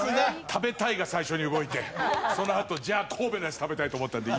「食べたい」が最初に動いてそのあと「じゃあ神戸のやつ食べたい」と思ったので。